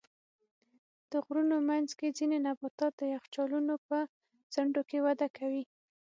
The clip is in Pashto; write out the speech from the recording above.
د غرونو منځ کې ځینې نباتات د یخچالونو په څنډو کې وده کوي.